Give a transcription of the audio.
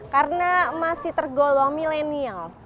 karena masih tergolong milenial